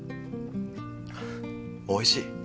おいしい。